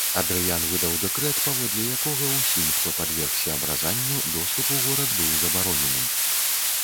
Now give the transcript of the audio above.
Адрыян выдаў дэкрэт, паводле якога ўсім, хто падвергся абразанню, доступ у горад быў забаронены.